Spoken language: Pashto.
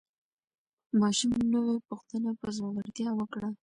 ماشوم نوې پوښتنه په زړورتیا وکړه